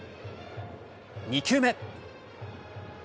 ２球目。